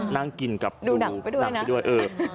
นั่งกินกับดูดูหนักไปด้วยนะ